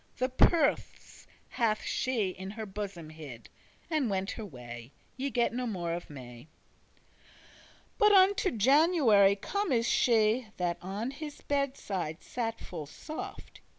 * *discovered <18> The purse hath she in her bosom hid, And went her way; ye get no more of me; But unto January come is she, That on his bedde's side sat full soft.